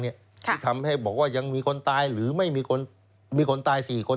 ที่ทำให้บอกว่ายังมีคนตายหรือไม่มีคนตาย๔คน